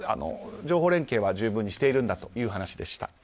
情報連携は十分にしているんだという話でした。